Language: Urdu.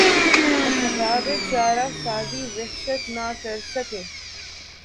احباب چارہ سازی وحشت نہ کرسکے